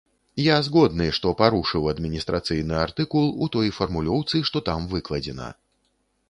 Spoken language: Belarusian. Я згодны, што парушыў адміністрацыйны артыкул у той фармулёўцы, што там выкладзена.